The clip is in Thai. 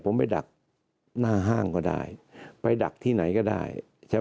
ผมไปดักหน้าห้างก็ได้ไปดักที่ไหนก็ได้ใช่ไหม